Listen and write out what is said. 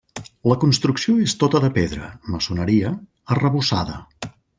La construcció és tota de pedra –maçoneria– arrebossada.